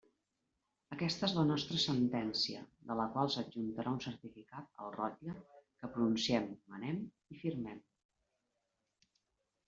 Aquesta és la nostra sentència, de la qual s'adjuntarà un certificat al rotlle, que pronunciem, manem i firmem.